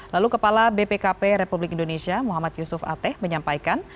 lalu kepala bpkp republik indonesia muhammad yusuf ateh menyampaikan